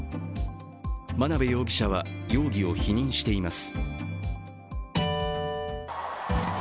真鍋容疑者は容疑を否認しています。